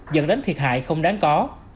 dẫn đến thiệt hại không đáng có